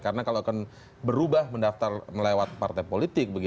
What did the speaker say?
karena kalau akan berubah mendaftar melewat partai politik